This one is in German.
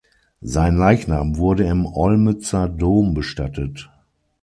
Sein Leichnam wurde im Olmützer Dom bestattet.